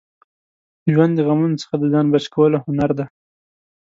ژوند د غمونو څخه د ځان بچ کولو هنر دی.